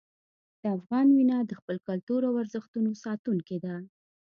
د افغان وینه د خپل کلتور او ارزښتونو ساتونکې ده.